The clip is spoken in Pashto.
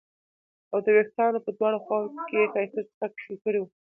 او د وېښتانو په دواړو خواوو کې یې ښایسته سیخک ټینګ کړي وو